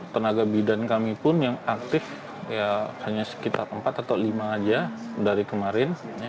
tenaga bidan kami pun yang aktif hanya sekitar empat atau lima aja dari kemarin